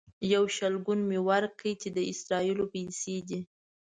یو شلګون مې ورکړ چې د اسرائیلو پیسې دي.